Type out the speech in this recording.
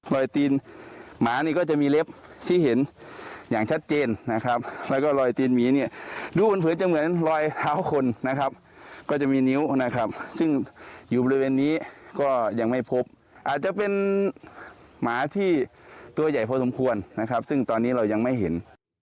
ตีนหมานี่ก็จะมีเล็บที่เห็นอย่างชัดเจนนะครับแล้วก็รอยตีนหมีเนี่ยดูเหมือนจะเหมือนรอยเท้าคนนะครับก็จะมีนิ้วนะครับซึ่งอยู่บริเวณนี้ก็ยังไม่พบอาจจะเป็นหมาที่ตัวใหญ่พอสมควรนะครับซึ่งตอนนี้เรายังไม่เห็น